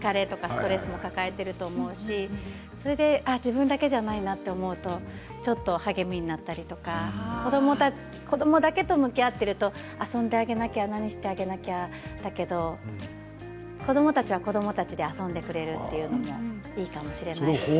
ストレスも抱えていると思うし自分だけじゃないなと思うとちょっと励みになったりとか子どもだけと向き合っていると、遊んであげなきゃ、なにしてあげなきゃ、だけど子どもたちは、子どもたちで遊んでくれるというのもいいかもしれません。